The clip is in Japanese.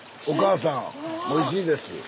おかあさんおいしいです。